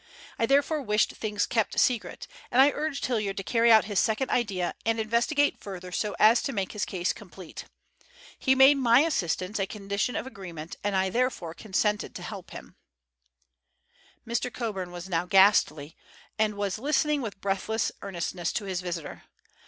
I therefore wished things kept secret, and I urged Hilliard to carry out his second idea and investigate further so as to make his case complete. He made my assistance a condition of agreement, and I therefore consented to help him." Mr. Coburn was now ghastly, and was listening with breathless earnestness to his visitor.